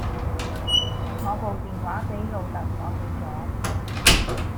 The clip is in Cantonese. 我部電話俾老竇鎖起咗